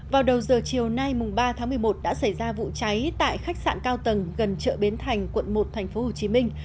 vào đầu giờ chiều nay mùng ba tháng một mươi một đã xảy ra vụ cháy tại khách sạn cao tầng gần chợ bến thành quận một tp hcm